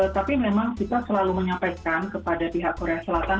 tapi memang kita selalu menyampaikan kepada pihak korea selatan